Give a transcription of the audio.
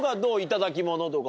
頂き物とか。